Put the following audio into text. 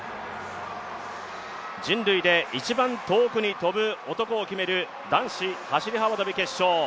人類で一番遠くに跳ぶ男を決める男子走幅跳決勝。